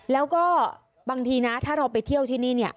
แล้วก็บางทีนะถ้าเราไปเที่ยวที่นี่